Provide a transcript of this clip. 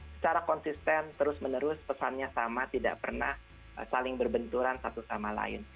secara konsisten terus menerus pesannya sama tidak pernah saling berbenturan satu sama lain